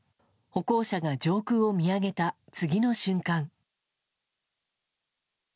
歩行者が上空を見上げた次の瞬間。